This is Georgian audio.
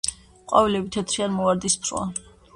ყვავილები თეთრი ან მოვარდისფროა.